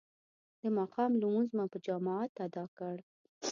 د ماښام لمونځ مو په جماعت ادا کړ.